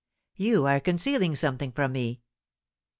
"You are concealing something from me!"